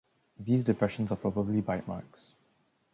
These depressions are probably bite marks.